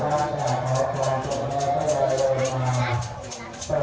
เวลาเก็บก้วยโตรศัตริย์มากกว่า